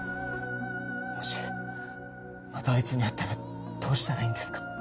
もしまたあいつに会ったらどうしたらいいんですか？